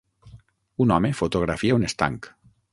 Un home fotografia un estanc.